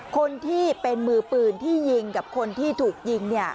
คนที่เป็นมือปืนที่ยิงกับคนที่ถูกยิง